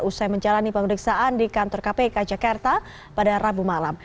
usai menjalani pemeriksaan di kantor kpk jakarta pada rabu malam